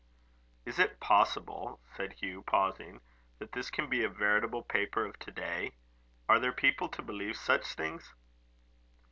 "Is it possible," said Hugh, pausing, "that this can be a veritable paper of to day? Are there people to believe such things?"